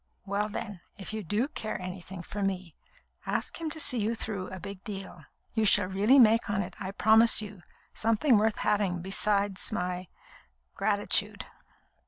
"Well, then, if you do care anything for me, ask him to see you through a big deal. You shall really make on it, I promise you, something worth having besides my gratitude."